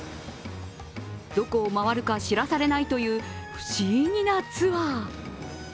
どこを回るか知らされないという不思議なツアー。